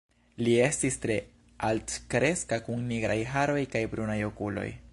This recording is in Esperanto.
Li estis tre altkreska kun nigraj haroj kaj brunaj okuloj.